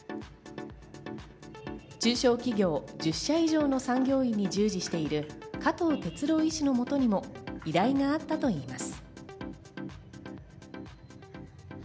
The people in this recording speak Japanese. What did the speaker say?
中小企業１０社以上の産業医に従事している加藤哲朗医師のもとにも依頼があったといいます。